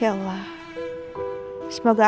semoga aku bisa mencari kamu